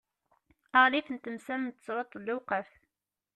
aɣlif n temsal n tesreḍt d lewqaf